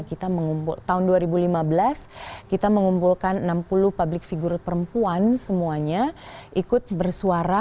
kita mengumpulkan tahun dua ribu lima belas kita mengumpulkan enam puluh public figure perempuan semuanya ikut bersuara